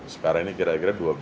sekarang ini kira kira